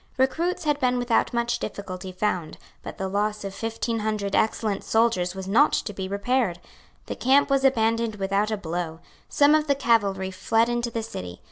Recruits had been without much difficulty found. But the loss of fifteen hundred excellent soldiers was not to be repaired. The camp was abandoned without a blow. Some of the cavalry fled into the city.